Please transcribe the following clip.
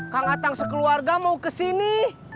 kang atang sekeluarga mau kesini